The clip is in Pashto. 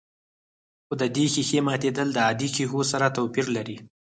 خو د دې ښيښې ماتېدل د عادي ښيښو سره توپير لري.